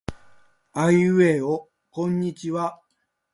あいうえおこんにちは。